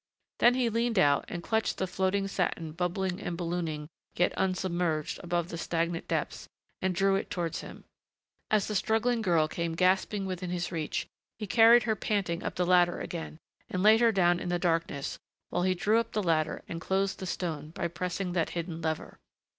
Then he leaned out and clutched the floating satin bubbling and ballooning yet unsubmerged above the stagnant depths and drew it towards him. As the struggling girl came gasping within his reach, he carried her panting up the ladder again, and laid her down in the darkness, while he drew up the ladder and closed the stone by pressing that hidden lever.